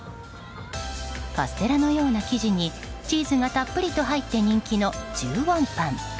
カステラのような生地にチーズがたっぷりと入って人気の１０ウォンパン。